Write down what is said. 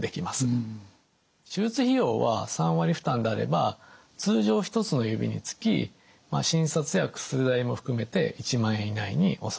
手術費用は３割負担であれば通常１つの指につき診察や薬代も含めて１万円以内に収まります。